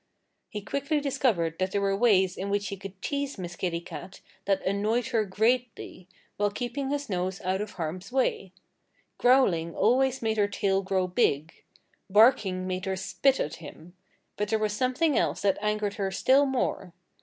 He quickly discovered that there were ways in which he could tease Miss Kitty Cat that annoyed her greatly, while keeping his nose out of harm's way. Growling always made her tail grow big. Barking made her spit at him. But there was something else that angered her still more.